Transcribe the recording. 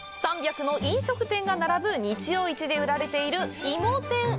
３００の飲食店が並ぶ日曜市で売られている「いも天」。